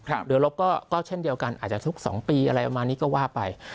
เดี๋ยวลบก็เช่นเดียวกันอาจจะทุก๒ปีอะไรประมาณนี้ก็ว่าไป